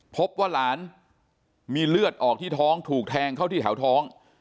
พบว่าหลานมีเลือดออกที่ท้องถูกแทงเข้าที่แถวท้อง